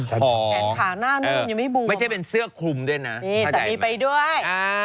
แผ่นขาหน้านู้นยังไม่บูบออกมานี่สนิทไปด้วย